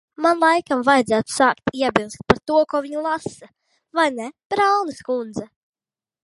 Man laikam vajadzētu sākt iebilst par to, ko viņa lasa, vai ne, Braunas kundze?